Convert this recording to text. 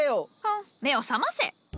ふん目を覚ませ。